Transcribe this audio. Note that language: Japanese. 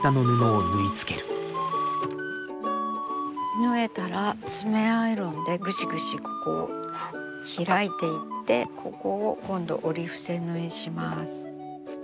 縫えたら爪アイロンでぐしぐしここを開いていってここを今度折り伏せ縫いします。